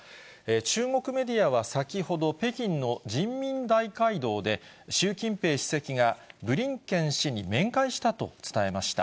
中国メディアは先ほど、北京の人民大会堂で、習近平主席がブリンケン氏に面会したと伝えました。